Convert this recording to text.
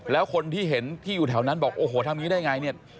แล้วคนที่เห็นที่อยู่แถวนั้นบอกโอ้โหทำอย่างนี้ได้ไงเนี่ย